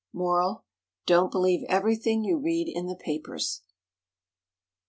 Moral: Don't believe everything you read in the papers.